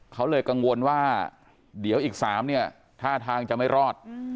เขาเลยกังวลว่าเดี๋ยวอีก๓เนี่ยท่าทางจะไม่รอด